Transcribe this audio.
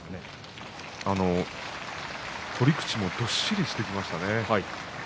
取り口もどっしりしてきましたね。